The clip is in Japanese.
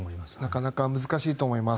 なかなか難しいと思います。